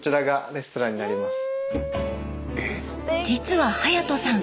実は勇人さん